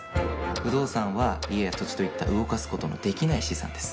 不動産は家や土地といった動かす事のできない資産です。